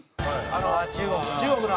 中国の？